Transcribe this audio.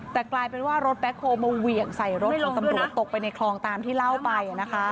แต่กลายเป็นว่ารถแบ็คโฮลมาเหวี่ยงใส่รถของตำรวจตกไปในคลองตามที่เล่าไป